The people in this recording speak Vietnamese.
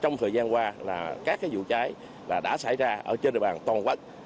trong thời gian qua là các cái vụ cháy đã xảy ra ở trên đời bàn toàn quốc